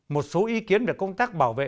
một số ý kiến về công tác bảo vệ